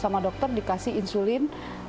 sama dokter dikasih insulin